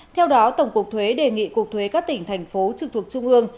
theo đó tổng cục thuế đề nghị cục thuế các tỉnh thành phố trực thuộc trung ương